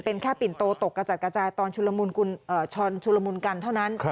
เป็นแค่ปิ่นโตตกกระจัดกระจายตอนชุลมุนกรรมชนชุลมุนกันเท่านั้น